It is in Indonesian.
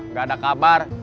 nggak ada kabar